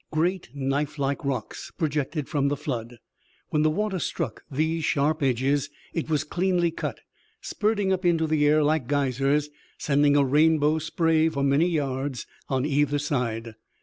Great knife like rocks projected from the flood. When the water struck these sharp edges it was cleanly cut, spurting up into the air like geysers, sending a rainbow spray for many yards on either side.